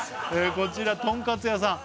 こちらとんかつ屋さん